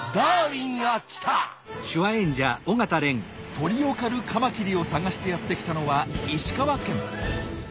鳥を狩るカマキリを探してやって来たのは石川県。